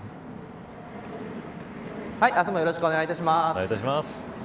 はい、明日もよろしくお願いいたします。